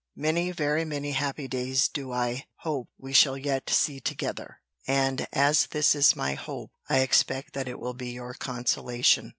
Many, very many, happy days do I hope we shall yet see together; and as this is my hope, I expect that it will be your consolation.